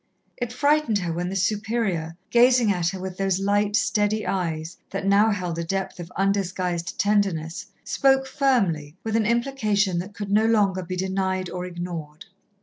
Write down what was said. It frightened her when the Superior, gazing at her with those light, steady eyes that now held a depth of undisguised tenderness, spoke firmly, with an implication that could no longer be denied or ignored.